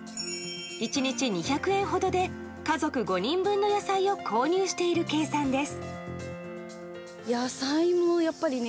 １日２００円ほどで家族５人分の野菜を購入している計算です。